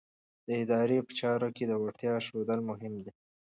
د ادارې په چارو کې د وړتیا ښودل مهم دي.